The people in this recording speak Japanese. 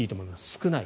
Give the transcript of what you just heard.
少ない。